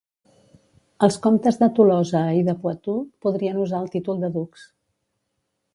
Els comtes de Tolosa i de Poitou podrien usar el títol de ducs.